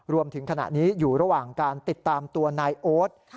รวมถึงขณะนี้อยู่ระหว่างการติดตามตัวนายโอ๊ต